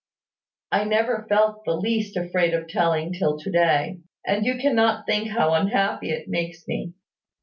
I never felt the least afraid of telling till to day; and you cannot think how unhappy it makes me.